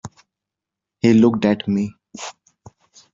He looked at me.